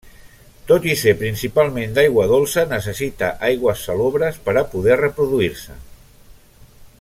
Tot i ser principalment d'aigua dolça, necessita aigües salobres per a poder reproduir-se.